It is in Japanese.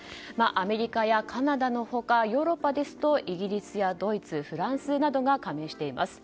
アメリカやカナダの他ヨーロッパですとイギリスやドイツフランスなどが加盟しています。